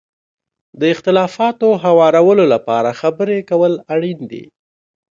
د اختلافاتو هوارولو لپاره خبرې کول اړین دي.